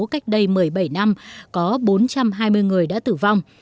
cách đây một mươi bảy năm có bốn trăm hai mươi người đã tử vong